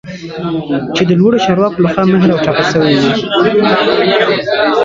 چې د لوړو چارواکو لخوا مهر او ټاپه شوی وي